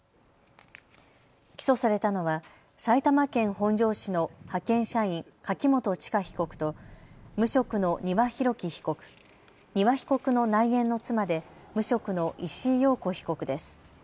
起訴されたのは埼玉県本庄市の派遣社員、柿本知香被告と無職の丹羽洋樹被告、丹羽被告の内縁の妻で無職の石井陽子被告です。